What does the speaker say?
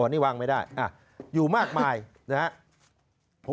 นี่วางไม่ได้อยู่มากมายนะครับ